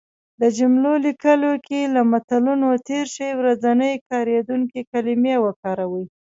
د جملو لیکلو کې له متلونو تېر شی. ورځنی کارېدونکې کلمې وکاروی